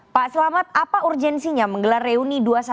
pak selamat apa urgensinya menggelar reuni dua ratus dua belas